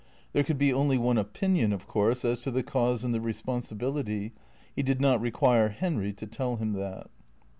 There could be only one opinion, of course, as to the cause and the responsibility. He did not require Henry to tell him that.